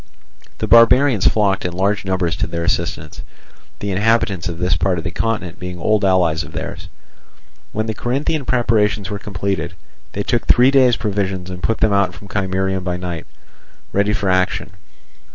The barbarians flocked in large numbers to their assistance, the inhabitants of this part of the continent being old allies of theirs. When the Corinthian preparations were completed, they took three days' provisions and put out from Chimerium by night, ready for action.